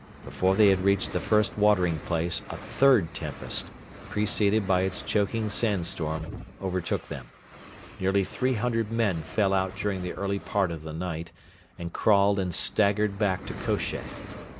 Before they had reached the first watering place a third tempest, preceded by its choking sandstorm, overtook them. Nearly 300 men fell out during the early part of the night, and crawled and staggered back to Kosheh.